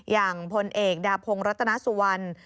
พลเอกดาพงศ์รัตนสุวรรณ